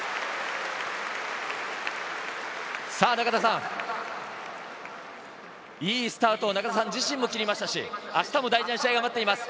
中田さん、いいスタートを中田さん自身も切りましたし、明日も大事な試合が待っています。